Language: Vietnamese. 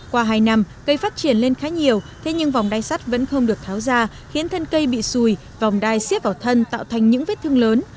qua hai năm cây phát triển lên khá nhiều thế nhưng vòng đai sắt vẫn không được tháo ra khiến thân cây bị xùi vòng đai xiếp vào thân tạo thành những vết thương lớn